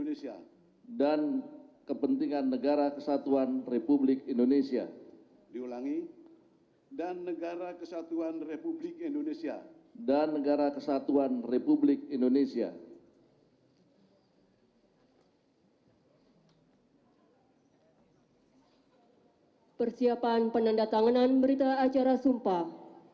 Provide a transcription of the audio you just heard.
persiapan penanda tanganan berita acara sumpah